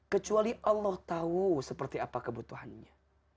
kecuali allah tahu seperti apa kebutuhannya